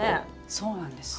そうなんですよ。